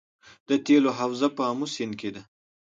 د تیلو حوزه په امو سیند کې ده